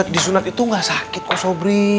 di sunat itu gak sakit kok sobri